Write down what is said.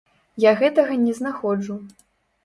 Я гэтага не знаходжу.